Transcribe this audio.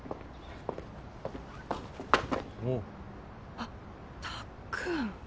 あったっくん。